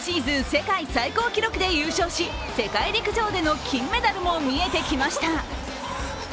世界最高記録で優勝し世界陸上での金メダルも見えてきました。